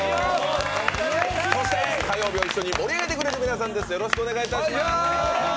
そして火曜日を一緒に盛り上げてくれる皆さんです。